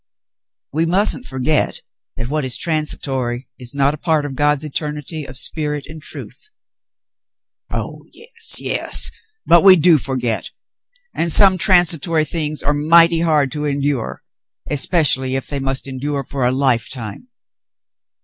"We mustn't forget that what is transitory is not a part of God's eternity of spirit and truth." "Oh, yes, yes ! But we do forget. x\nd some transitory things are mighty hard to endure, especially if they must endure for a lifetime."